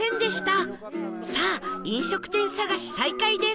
さあ飲食店探し再開です